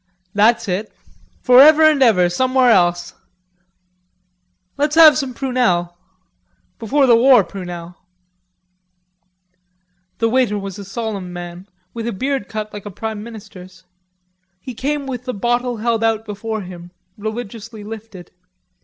"That's it.... For ever and ever, somewhere else! Let's have some prunelle. Before the war prunelle." The waiter was a solemn man, with a beard cut like a prime minister's. He came with the bottle held out before him, religiously lifted.